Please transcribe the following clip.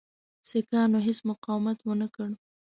سیکهانو هیڅ مقاومت ونه کړ.